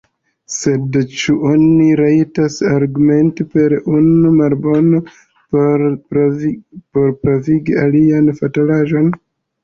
Sed ĉu oni rajtas argumenti per unu malbono por pravigi alian fatalaĵon?